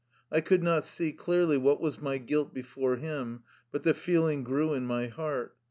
I could not see clearly what was my guilt before him, but the feeling grew in my heart.